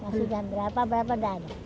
belum masa jam berapa berapa tidak ada